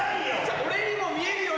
俺にも見えるように。